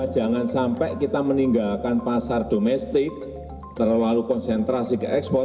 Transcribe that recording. jangan sampai kita meninggalkan pasar domestik terlalu konsentrasi ke ekspor